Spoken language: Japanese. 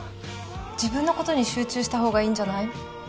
自分のことに集中した方がいいんじゃない？